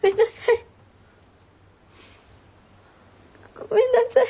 ごめんなさい。